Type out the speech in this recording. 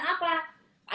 ada pengalaman apa